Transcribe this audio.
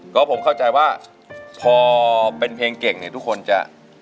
ก็ผมเข้าใจว่าพอเป็นเพลงเก่งเนี่ยทุกคนจะ